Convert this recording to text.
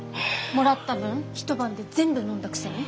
もらった分一晩で全部飲んだくせに。